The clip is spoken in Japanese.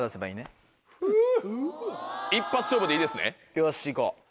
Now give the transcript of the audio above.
よしいこう。